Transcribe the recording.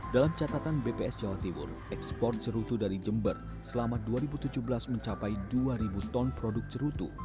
dalam catatan bps jawa timur ekspor cerutu dari jember selama dua ribu tujuh belas mencapai dua ribu ton produk cerutu